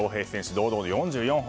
堂々の４４本。